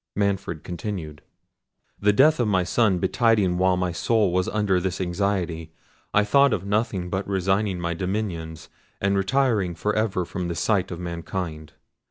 Manfred continued— "The death of my son betiding while my soul was under this anxiety, I thought of nothing but resigning my dominions, and retiring for ever from the sight of mankind.